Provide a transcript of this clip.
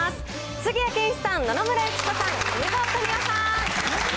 杉谷拳士さん、野々村友紀子さん、梅沢富美男さん。